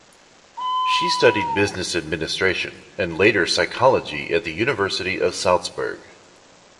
She studied business administration and later psychology at the University of Salzburg.